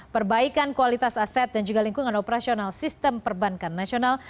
perbaikan kualitas aset dan juga lingkungan operasional sistem perbankan nasional